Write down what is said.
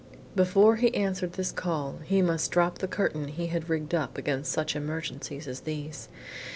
Before he answered this call, he must drop the curtain he had rigged up against such emergencies as these.